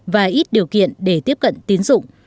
và ít điều kiện để tiếp cận tín dụng